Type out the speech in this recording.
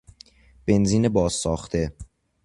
بنزین بازساخته